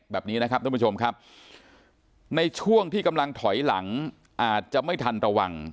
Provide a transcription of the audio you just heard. แบบนี้นะครับท่านผู้ชมครับในช่วงที่กำลังถอยหลังอาจจะไม่ทันระวัง